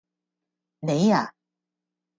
你呀?